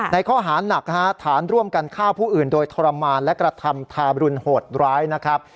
ในข้อหาหนักฮะฐานร่วมกันฆ่าผู้อื่นโดยทรมานและกระทำทาบรุณโหดร้ายนะครับ